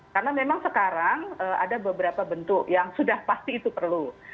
karena memang sekarang ada beberapa bentuk yang sudah pasti itu perlu